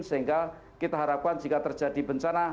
sehingga kita harapkan jika terjadi bencana